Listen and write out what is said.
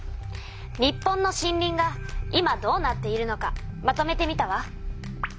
日本の森林が今どうなっているのかまとめてみたわ。